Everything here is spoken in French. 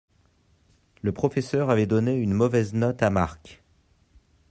le professeur avait donné une mauvais note à Mark.